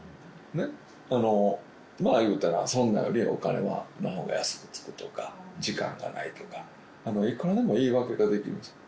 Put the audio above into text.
ねっまぁ言うたらそんなよりお金のほうが安くつくとか時間がないとかいくらでも言い訳ができるんですよ